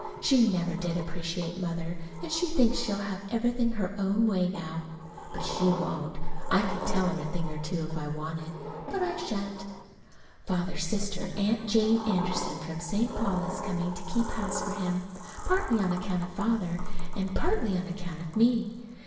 She never did appreciate Mother, and she thinks she'll have everything her own way now. But she won't. I could tell her a thing or two if I wanted to. But I shan't. Father's sister, Aunt Jane Anderson, from St. Paul, is coming to keep house for him, partly on account of Father, and partly on account of me.